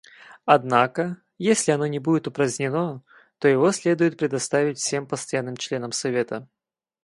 Однако, если оно не будет упразднено, то его следует предоставить всем постоянным членам Совета.